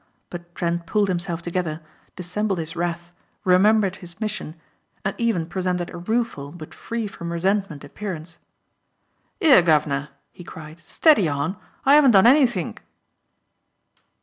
But Trent pulled himself together, dissembled his wrath, remembered his mission, and even presented a rueful but free from resentment appearance. "'Ere guv'nor," he cried, "steady on! I 'aven't done anythink."